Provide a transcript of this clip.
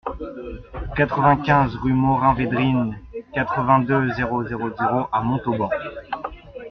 quatre-vingt-quinze rue Morin-Védrines, quatre-vingt-deux, zéro zéro zéro à Montauban